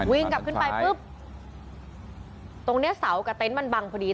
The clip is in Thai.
วิ่งกลับขึ้นไปปุ๊บตรงเนี้ยเสากับเต็นต์มันบังพอดี